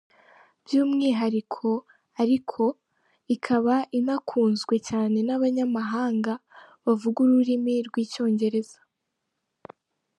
, by’umwihariko ariko ikaba inakunzwe cyane n’abanyamahanga bavuga ururimi rw’icyongereza.